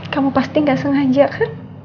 kamu pasti gak sengaja kan